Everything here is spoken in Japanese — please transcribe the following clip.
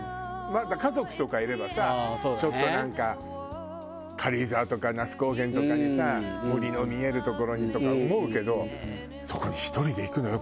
家族とかいればさちょっとなんか軽井沢とか那須高原とかにさ森の見える所にとか思うけどそこに１人で行くのよ